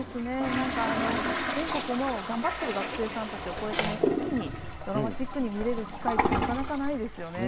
なんか、全国の頑張ってる学生さんたちを、こうやって一気にドラマチックに見れる機会ってなかなかないですよね。